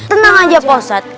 tenang aja pak ustadz